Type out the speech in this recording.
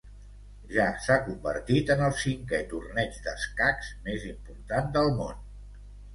Ja s'ha convertit en el cinquè torneig d'escacs més important del món.